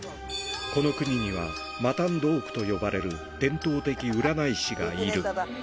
この国には、マタンドークと呼ばれる伝統的占い師がいる。